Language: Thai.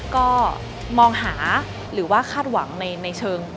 ก็มองหาหรือว่าคาดหวังในเชิง